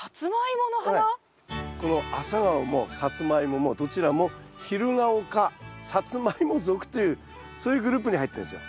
このアサガオもサツマイモもどちらもというそういうグループに入ってるんですよ。